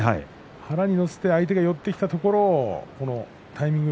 腹に乗せて相手が寄っていくところをタイミング